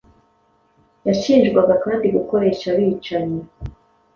Yashinjwaga kandi gukoresha abicanyi